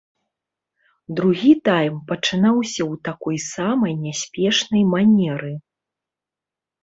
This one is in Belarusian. Другі тайм пачынаўся ў такой самай няспешнай манеры.